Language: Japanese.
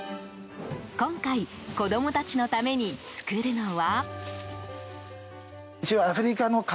今回子供たちのために作るのは？